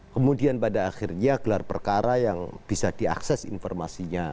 kemudian pada akhirnya gelar perkara yang bisa diakses informasinya